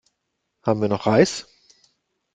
Haben wir noch Reis?